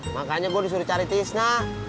makanya gua disuruh cari isna